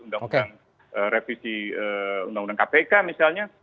undang undang revisi undang undang kpk misalnya